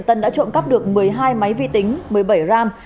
tân đã trộm cắp được một mươi hai máy vi tính một mươi bảy gram